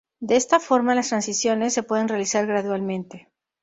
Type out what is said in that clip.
De esta forma las transiciones se pueden realizar gradualmente.